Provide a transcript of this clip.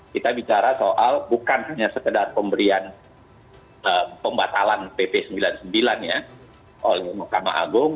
kita bicara soal bukan hanya sekedar pemberian pembatalan pp sembilan puluh sembilan ya oleh mahkamah agung